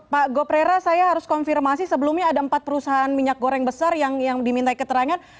pak grup pak grup rera saya harus konfirmasi sebelumnya ada empat perusahaan minyak goreng besar yang diminta keterangan